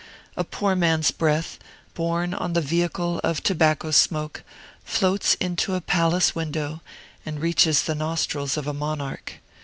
A poor man's breath, borne on the vehicle of tobacco smoke, floats into a palace window and reaches the nostrils of a monarch.